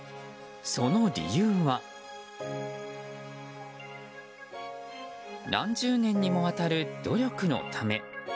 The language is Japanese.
その理由は何十年にもわたる努力のため。